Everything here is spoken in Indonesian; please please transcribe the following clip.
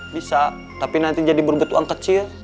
bisa tapi nanti jadi berbut uang kecil